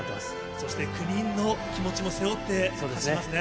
そして９人の気持ちも背負って走りますね。